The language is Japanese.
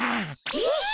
えっ？